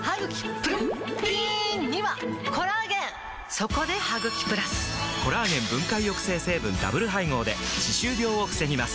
そこで「ハグキプラス」！コラーゲン分解抑制成分ダブル配合で歯周病を防ぎます